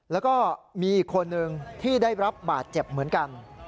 แล้วก็มีอีกคนนึงที่ได้รับบาดเจ็บเหมือนกัน